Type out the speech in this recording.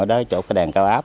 ở đó chỗ đèn cao áp